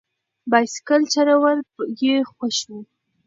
بایسکل چلول یې خوښ و.